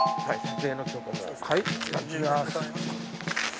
はい。